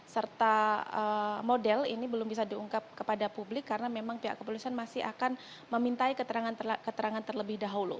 serta model ini belum bisa diungkap kepada publik karena memang pihak kepolisian masih akan memintai keterangan terlebih dahulu